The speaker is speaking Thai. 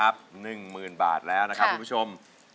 ๑๐๐๐บาทแล้วนะครับคุณผู้ชม